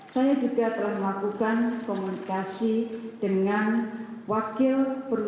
saya juga telah melakukan komunikasi dengan wakil presiden